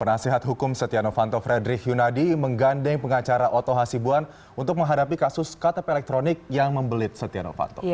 penasihat hukum setia novanto frederick yunadi menggandeng pengacara oto hasibuan untuk menghadapi kasus ktp elektronik yang membelit setia novanto